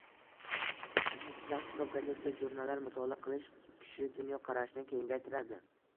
Ilm izlash, kitob, gazeta, jurnallar mutolaa qilish kishi dunyoqarashini kengaytiradi.